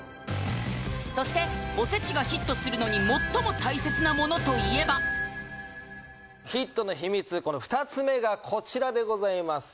そしておせちがヒットするのに最も大切なものといえばヒットの秘密２つ目がこちらでございます